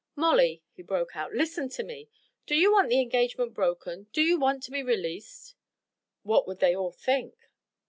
"Molly!" he broke out. "Listen to me! Do you want the engagement broken? Do you want to be released?" "What would they all think?"